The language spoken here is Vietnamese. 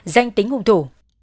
danh tính hung thủ